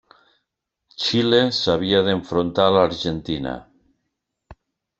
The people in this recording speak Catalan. Xile s'havia d'enfrontar a l'Argentina.